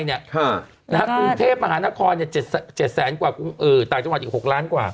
กรุงเทพมหานคร๗แสนกว่าต่างจังหวัดอีก๖ล้านกว่า